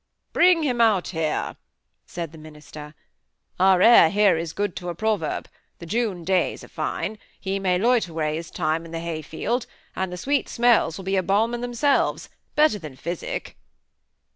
"Bring him out here," said the minister. "Our air here is good to a proverb; the June days are fine; he may loiter away his time in the hay field, and the sweet smells will be a balm in themselves—better than physic."